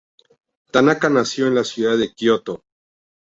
Tanaka nació en la ciudad de Kyoto.